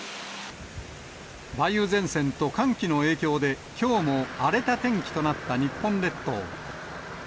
梅雨前線と寒気の影響で、きょうも荒れた天気となった日本列島。